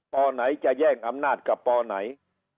ไหนจะแย่งอำนาจกับปไหน